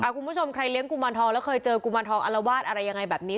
คุณผู้ชมใครเลี้ยงกุมารทองแล้วเคยเจอกุมารทองอารวาสอะไรยังไงแบบนี้